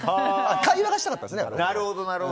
会話がしたかったんですよね。